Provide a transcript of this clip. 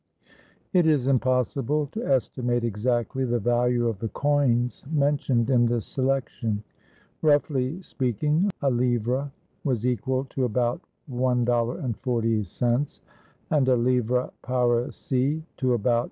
It is impossible to estimate exactly the value of the coins mentioned in this selection. Roughly speaking, a li\Te was equal to about $1.40 and a livre parisis to about $1.